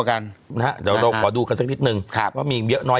กันนะฮะเดี๋ยวเราขอดูกันสักนิดนึงครับว่ามีเยอะน้อย